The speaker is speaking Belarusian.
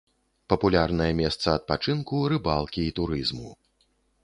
Папулярнае месца адпачынку, рыбалкі і турызму.